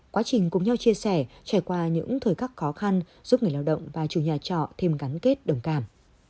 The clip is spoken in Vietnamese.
quá trình cùng nhau chia sẻ trải qua những thời khắc khó khăn giúp người lao động và chủ nhà trọ thêm gắn kết đồng cảm